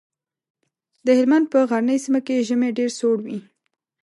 د هلمند په غرنۍ سيمه کې ژمی ډېر سوړ وي.